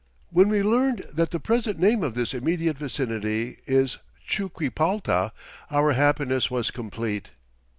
When we learned that the present name of this immediate vicinity is Chuquipalta our happiness was complete.